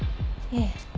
ええ。